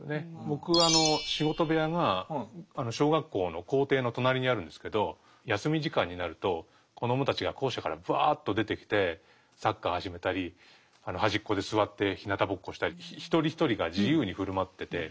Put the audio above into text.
僕仕事部屋が小学校の校庭の隣にあるんですけど休み時間になると子どもたちが校舎からプワーッと出てきてサッカー始めたり端っこで座ってひなたぼっこしたり一人一人が自由に振る舞ってて。